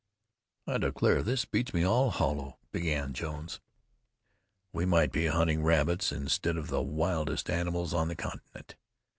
"I declare this beats me all hollow!" began Jones. "We might be hunting rabbits instead of the wildest animals on the continent.